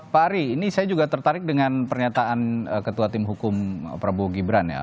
pak ari ini saya juga tertarik dengan pernyataan ketua tim hukum prabowo gibran ya